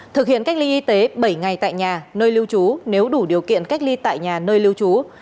thực hiện cách ly y tế bảy ngày tại nhà nơi lưu trú nếu đủ điều kiện cách ly tại nhà nơi lưu trú